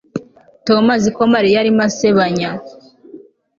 Tom azi ko Mariya arimo asebanya